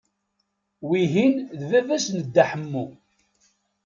Wihin d baba-s n Dda Ḥemmu.